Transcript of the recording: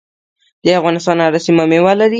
د افغانستان هره سیمه میوه لري.